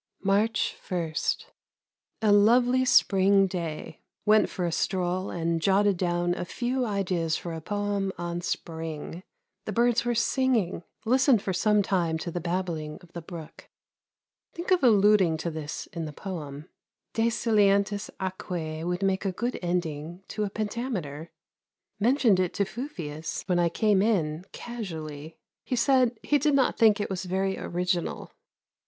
March 1. A lovely spring day. Went for a stroll, and jotted down a few ideas for a poem on Spring. The birds were singing. Listened for some time to the babbling of the brook. Think of alluding to this in the poem. "Desilientis aquae" would make a good ending to a pentameter. Mentioned it to Fufius when I came in, casually. He said he did not think it was very original.